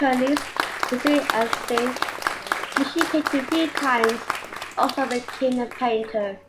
Her niece Lizzy Ansingh, who she painted a few times, also became a painter.